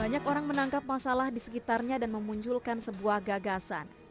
banyak orang menangkap masalah di sekitarnya dan memunculkan sebuah gagasan